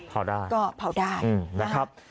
เผาได้ก็เผาได้นะครับ